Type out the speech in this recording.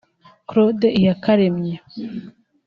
Claude Iyakaremye